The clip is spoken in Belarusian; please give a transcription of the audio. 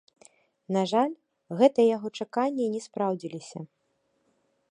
На жаль, гэтыя яго чаканні не спраўдзіліся.